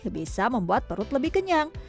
bisa membuat perut lebih kenyang